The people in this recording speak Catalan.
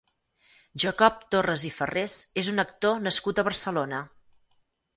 Jacob Torres i Farrés és un actor nascut a Barcelona.